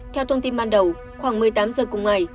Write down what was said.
theo thông tin ban đầu khoảng một mươi tám giờ cùng ngày